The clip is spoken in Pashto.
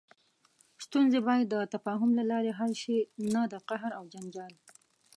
ستونزې باید د تفاهم له لارې حل شي، نه د قهر او جنجال.